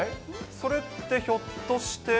それってひょっとして。